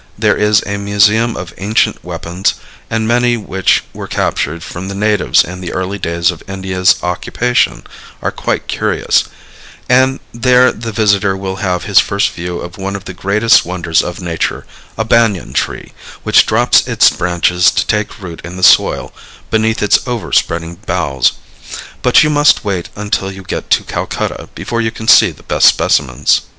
There is a museum of ancient weapons, and many which were captured from the natives in the early days of India's occupation are quite curious; and there the visitor will have his first view of one of the greatest wonders of nature, a banyan tree, which drops its branches to take root in the soil beneath its over spreading boughs. But you must wait until you get to Calcutta before you can see the best specimens.